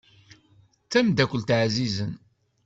D tamdakkelt ɛzizen.